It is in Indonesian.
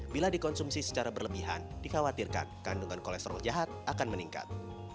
bila dikonsumsi secara berlebihan dikhawatirkan kandungan kolesterol jahat akan meningkat